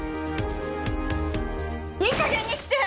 いいかげんにして！